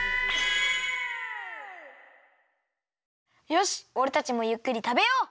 よしおれたちもゆっくりたべよう。